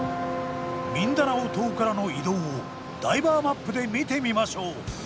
ミンダナオ島からの移動をダイバーマップで見てみましょう。